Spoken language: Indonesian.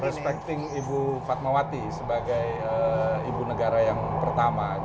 perspektif ibu fatmawati sebagai ibu negara yang pertama